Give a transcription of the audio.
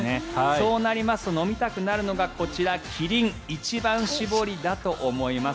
そうなりますと飲みたくなるのがこちらキリン一番搾りだと思います。